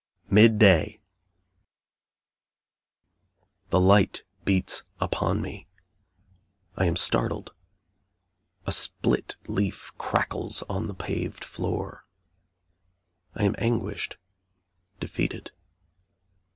MID DAY The light beats upon me. I am startled a split leaf crackles on the paved floor I am anguished defeated.